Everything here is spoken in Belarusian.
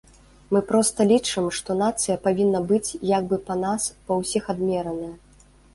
Мы проста лічым, што нацыя павінна быць як бы па нас па ўсіх адмераная.